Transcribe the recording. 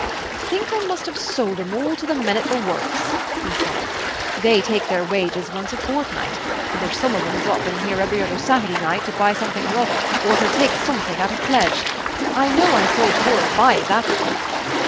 "I think I must have sold 'em all to the men at the works," he said. "They take their wages once a fortnight; and there's some of 'em drop in here every other Saturday night to buy something or other, or to take something out of pledge. I know I sold four or five that way."